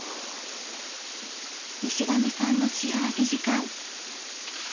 西上さんの幸福時間。